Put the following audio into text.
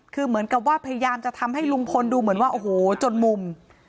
คือเหมือนกับว่าพยายามจะทำให้ลุงพลดูเหมือนว่าโอ้โหจนมุม